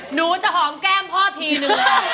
หนูจะหอมแก้มพ่อทีนึง